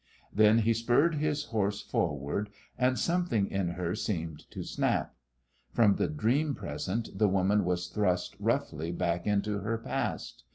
Then he spurred his horse forward, and something in her seemed to snap. From the dream present the woman was thrust roughly back into her past.